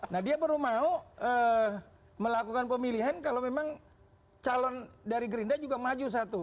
nah dia baru mau melakukan pemilihan kalau memang calon dari gerindra juga maju satu